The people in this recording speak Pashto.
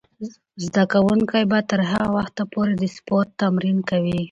زده کوونکې به تر هغه وخته پورې د سپورت تمرین کوي.